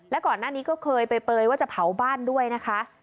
และก่อนหน้านี้ก็เคยไปเปลยว่าจะเผาบ้านด้วยนะคะ